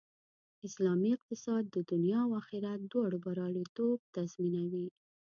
اسلامي اقتصاد د دنیا او آخرت دواړو بریالیتوب تضمینوي